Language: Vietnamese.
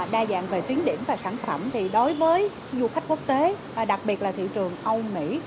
đa dạng về tuyến điểm và sản phẩm thì đối với du khách quốc tế đặc biệt là thị trường âu mỹ